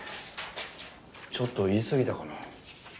ちょっと言いすぎたかな。